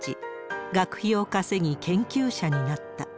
学費を稼ぎ、研究者になった。